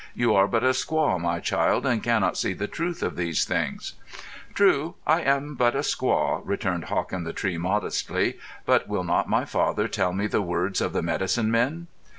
You are but a squaw, my child, and cannot see the truth of these things." "True, I am but a squaw," returned Hawk in the Tree, modestly. "But will not my father tell me the words of the medicine men?"